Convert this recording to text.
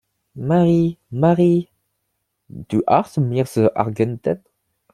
Marie, Marie, du hast mir's angetan.